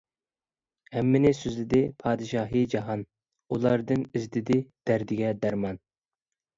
ھەممىنى سۆزلىدى پادىشاھى جاھان، ئۇلاردىن ئىزدىدى دەردىگە دەرمان.